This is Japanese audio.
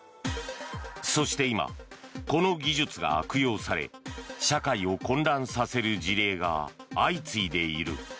そして今、この技術が悪用され社会を混乱させる事例が相次いでいる。